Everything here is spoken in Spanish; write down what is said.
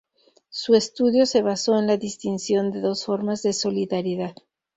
Su estudio se basó en la distinción de dos formas de solidaridad.